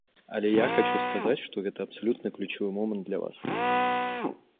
Але я хачу сказаць, што гэта абсалютна ключавы момант для вас.